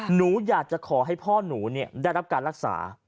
หนูอยากจะขอให้พ่อหนูได้รับการรักษา